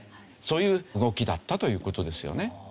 そういう動きだったという事ですよね。